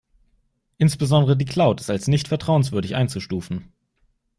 Insbesondere die Cloud ist als nicht vertrauenswürdig einzustufen.